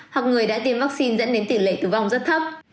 hoặc người đã tiêm vaccine dẫn đến tỷ lệ tử vong rất thấp